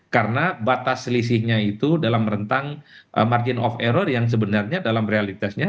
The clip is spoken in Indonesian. karena batas selisihnya itu dalam rentang margin of error yang sebenarnya dalam realitasnya